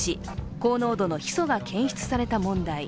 高濃度のヒ素が検出された問題。